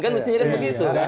kan bisa jadi begitu